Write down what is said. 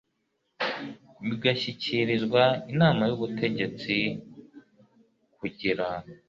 bigashyikirizwa inama y ubutegetsi kugira